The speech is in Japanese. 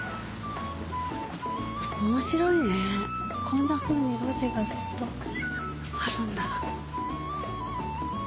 面白いねこんなふうに路地がずっとあるんだ。